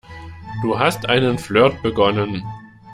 Du hast einen Flirt begonnen.